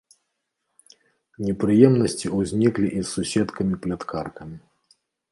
Непрыемнасці ўзніклі і з суседкамі-пляткаркамі.